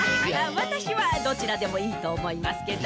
わたしはどちらでもいいとおもいますけど。